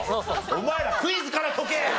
お前らクイズから解け！